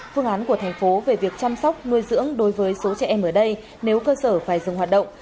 phương án của thành phố về việc chăm sóc nuôi dưỡng đối với số trẻ em ở đây nếu cơ sở phải dừng hoạt động